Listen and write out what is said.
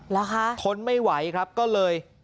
เหรอคะทนไม่ไหวครับก็เลย